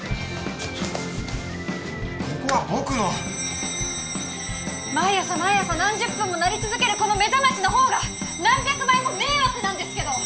ここは僕の毎朝毎朝何十分も鳴り続けるこの目覚ましの方が何百倍も迷惑なんですけど！